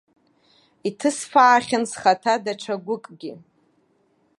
Иҭысфаахьан схаҭа даҽа гәыкгьы.